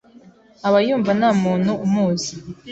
aba yumva nta n’umuntu umuzi ,